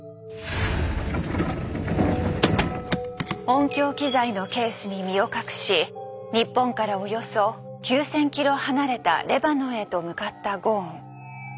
音響機材のケースに身を隠し日本からおよそ９，０００キロ離れたレバノンへと向かったゴーン。